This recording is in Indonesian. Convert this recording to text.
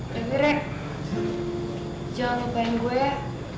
tapi re jangan lupain gue ya